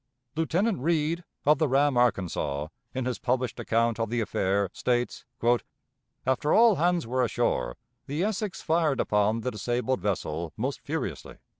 Lieutenant Reed, of the ram Arkansas, in his published account of the affair, states, "After all hands were ashore, the Essex fired upon the disabled vessel most furiously."